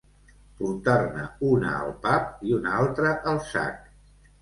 Portar-ne una al pap i una altra al sac.